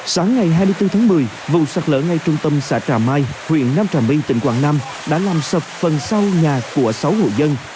sáng ngày hai mươi bốn tháng một mươi vụ sạt lở ngay trung tâm xã trà mai huyện nam trà my tỉnh quảng nam đã làm sập phần sau nhà của sáu hộ dân